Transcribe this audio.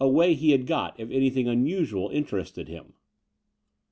way he had got if anything unusual interested him.